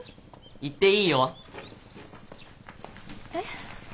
行っていいよ。え？